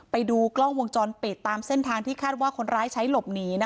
ไปดูกล้องวงจรปิดตามเส้นทางที่คาดว่าคนร้ายใช้หลบหนี